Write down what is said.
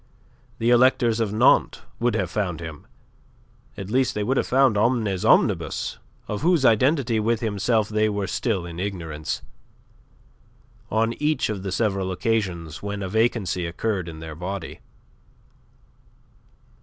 The electors of Nantes would have found him at least, they would have found Omnes Omnibus, of whose identity with himself they were still in ignorance on each of the several occasions when a vacancy occurred in their body.